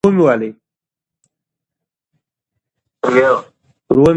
موږ سونا ته تلل د تمرین وروسته خوښوو.